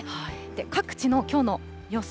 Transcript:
各地のきょうの予想